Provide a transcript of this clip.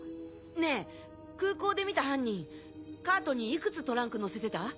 ねぇ空港で見た犯人カートにいくつトランク載せてた？